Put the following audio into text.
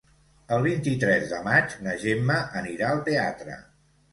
El vint-i-tres de maig na Gemma anirà al teatre.